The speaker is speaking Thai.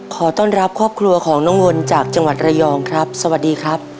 ขอต้อนรับครอบครัวของน้องวนจากจังหวัดระยองครับสวัสดีครับ